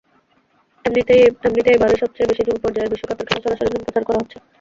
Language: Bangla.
এমনিতে এবারই সবচেয়ে বেশি যুব পর্যায়ের বিশ্বকাপের খেলা সরাসরি সম্প্রচার করা হচ্ছে।